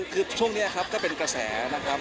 คือช่วงนี้ครับก็เป็นกระแสนะครับ